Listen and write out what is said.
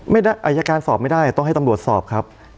อายการสอบไม่ได้ต้องให้ตำรวจสอบครับ